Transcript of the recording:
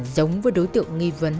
giống với đối tượng nghi vấn